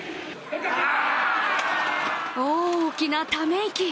大きなため息。